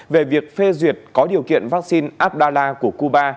về việc phê duyệt có điều kiện vaccine abdallah của cuba